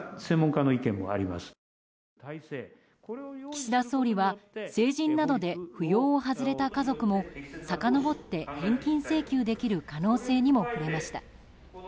岸田総理は、成人などで扶養を外れた家族もさかのぼって返金請求できる可能性にも触れました。